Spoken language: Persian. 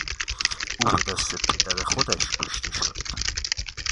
او به دست پدر خودش کشته شد.